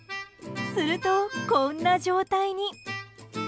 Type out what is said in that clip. すると、こんな状態に。